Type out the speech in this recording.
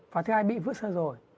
và thứ hai bị vữa sơ rồi